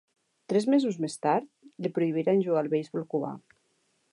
Tres mesos més tard, li prohibiren jugar al beisbol cubà.